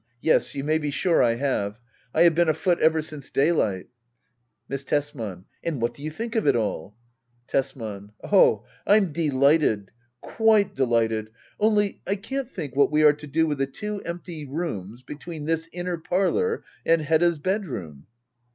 Yes, you may be sure I have. I have been afoot ever since daylight. Miss Tesman. And what do you think of it all ? Tesman. Fm delighted! Quite delighted I Only I can't think what we are to do with the two empty rooms between this inner parlour and Hedda's bedroom.